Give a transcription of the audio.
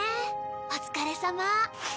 お疲れさま。